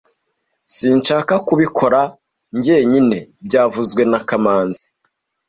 Sinshaka kubikora njyenyine byavuzwe na kamanzi